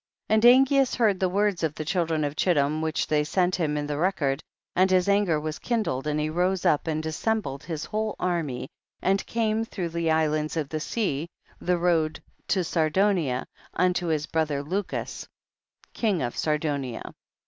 16. And Angeas heard the words of the children of Chittim which they sent him in the record, and his anger was' kindled and he rose up and assembled his whole army and came through the islands of the sea, the road to Sardunia, unto his brother Lucus king of Sardunia.